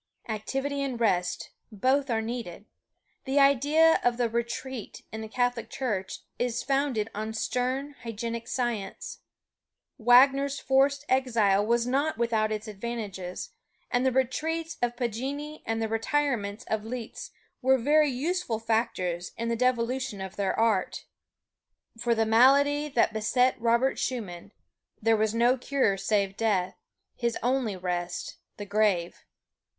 Activity and rest both are needed. The idea of the "retreat" in the Catholic Church is founded on stern, hygienic science. Wagner's forced exile was not without its advantages, and the "retreats" of Paganini and the "retirements" of Liszt were very useful factors in the devolution of their art. For the malady that beset Robert Schumann, there was no cure save death; his only rest, the grave.